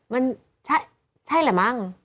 มันใช่แหละมั้ง